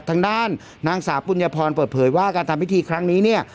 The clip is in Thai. ทางด้านนางสาวปุญญพรเปิดเผยว่าการทำพิธีครั้งนี้เนี่ย